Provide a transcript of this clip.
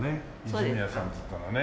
泉屋さんといったらね。